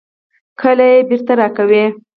کله بیرته راکوئ؟